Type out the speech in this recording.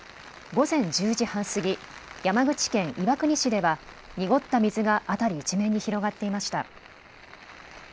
午前１０時半過ぎ、山口県岩国市では濁った水が辺り一面に広がっていました。